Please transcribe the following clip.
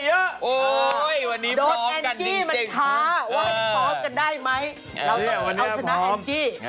เราต้องเอาชนะแอมจี้